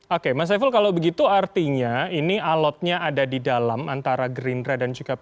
oke mas saiful kalau begitu artinya ini alotnya ada di dalam antara gerindra dan juga p tiga